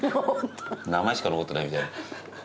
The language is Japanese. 名前しか残ってないみたいな。